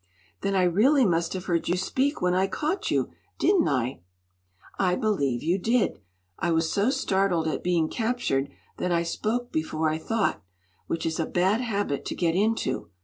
"Then I really must have heard you speak when I caught you; didn't I?" "I believe you did. I was so startled at being captured that I spoke before I thought, which is a bad habit to get into.